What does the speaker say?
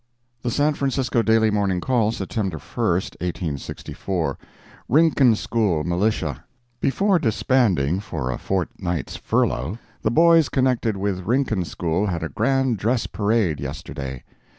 The San Francisco Daily Morning Call, September 1, 1864 RINCON SCHOOL MILITIA Before disbanding for a fortnight's furlough, the boys connected with Rincon School had a grand dress parade, yesterday.